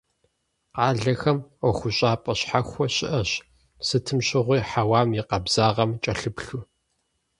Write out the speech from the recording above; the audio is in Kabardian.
Къалэхэм ӀуэхущӀапӀэ щхьэхуэ щыӀэщ, сытым щыгъуи хьэуам и къабзагъэм кӀэлъыплъу.